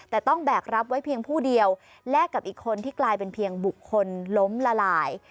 แต่ต้องแบกรับไว้เพียงผู้เดียวแลกกับอีกคนที่กลายเป็นเพียงบุคคลล้มละลาย